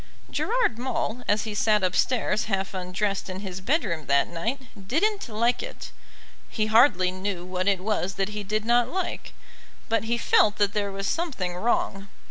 Gerard Maule, as he sat upstairs half undressed in his bedroom that night didn't like it. He hardly knew what it was that he did not like, but he felt that there was something wrong.